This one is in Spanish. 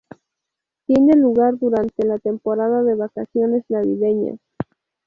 Tiene lugar durante la temporada de vacaciones navideñas.